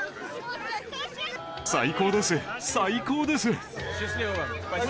最高です、最高です！